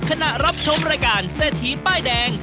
รับชมรายการเศรษฐีป้ายแดง